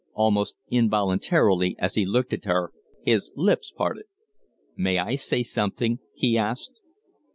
Almost involuntarily as he looked at her his lips parted. "May I say something?" he asked.